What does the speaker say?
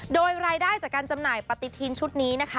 โดยรายได้จากการจำหน่ายปฏิทินชุดนี้นะคะ